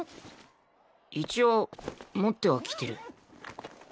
一応持ってはきてる。